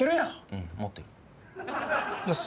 うん持ってる。